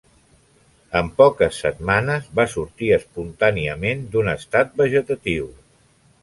En poques setmanes va sortir espontàniament d'un estat vegetatiu.